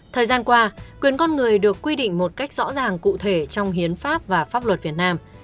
thời gian qua quyền con người được quy định một cách rõ ràng cụ thể trong hiến pháp và pháp luật việt nam